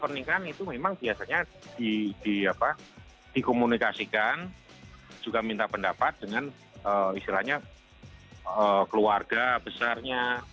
pernikahan itu memang biasanya dikomunikasikan juga minta pendapat dengan istilahnya keluarga besarnya